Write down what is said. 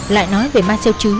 lại nói về ma xeo trứ